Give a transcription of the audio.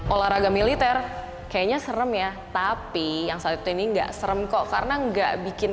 olahraga militer kayaknya serem ya tapi yang satu ini enggak serem kok karena enggak bikin